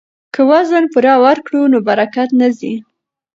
که وزن پوره ورکړو نو برکت نه ځي.